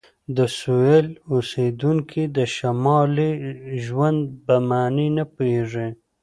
د سویل اوسیدونکي د شمالي ژوند په معنی نه پوهیږي